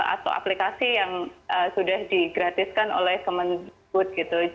atau aplikasi yang sudah digratiskan oleh kemenbud